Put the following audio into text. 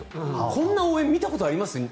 こんな応援見たことあります？